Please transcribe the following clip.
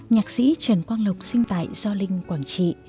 nhạc sĩ trần quang lộc sinh tại gio linh quảng trị